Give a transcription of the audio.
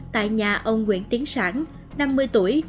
tại nhà ông nguyễn tiến sản năm mươi tuổi